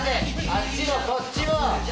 あっちもこっちも！